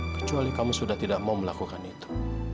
kecuali kami sudah tidak mau melakukan itu